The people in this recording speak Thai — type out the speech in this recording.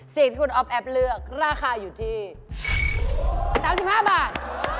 สิ่งที่คุณอ๊อฟแอฟเลือกราคาอยู่ที่๓๕บาท